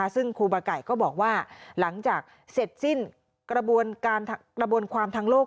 ซึ่งครูบาไก่ก็บอกว่าหลังจากเสร็จสิ้นกระบวนการกระบวนความทางโลก